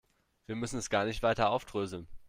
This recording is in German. Wir müssen es gar nicht weiter aufdröseln.